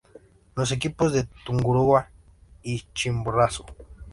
Los equipos de Tungurahua y Chimborazo.